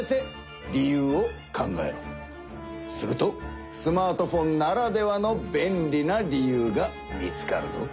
するとスマートフォンならではの便利な理由が見つかるぞ。